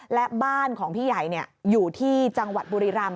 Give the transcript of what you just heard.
และบ้านของพี่ใหญ่อยู่ที่จังหวัดบุรีรำ